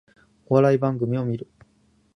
お笑い番組を観る